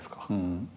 うん。